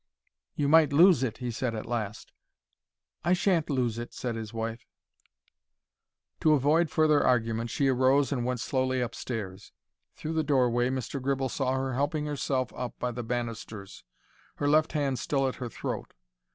"You might lose it," he said, at last. "I sha'n't lose it," said his wife. To avoid further argument, she arose and went slowly upstairs. Through the doorway Mr. Gribble saw her helping herself up by the banisters, her left hand still at her throat.